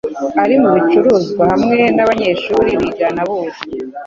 Ari mubicuruzwa hamwe nabanyeshuri bigana bose.